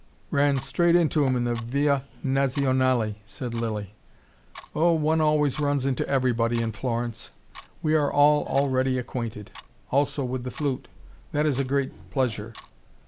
"Ran straight into him in the Via Nazionale," said Lilly. "Oh, one always runs into everybody in Florence. We are all already acquainted: also with the flute. That is a great pleasure."